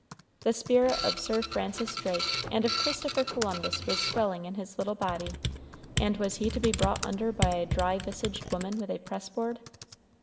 The spirit of Sir Francis Drake and of Christopher Columbus was swelling in his little body, and was he to be brought under by a dry visaged woman with a press board?